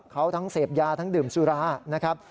เขาทั้งเสพยาทั้งดื่มสุรานะครับ